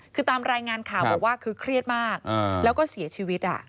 คือตามรายงานข่าวบอกว่าคือเครียดมากแล้วก็เสียชีวิต